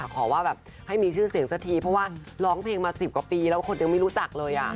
ขอว่าแบบให้มีชื่อเสียงสักทีเพราะว่าร้องเพลงมา๑๐กว่าปีแล้วคนยังไม่รู้จักเลย